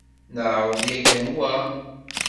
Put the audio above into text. Neɛṛeḍ yakkan wa.